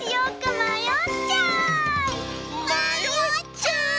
まよっちゃう！